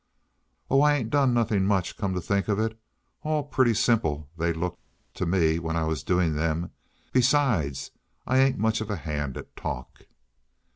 "Oh, I ain't done nothing much, come to think of it. All pretty simple, they looked to me, when I was doing them. Besides, I ain't much of a hand at talk!"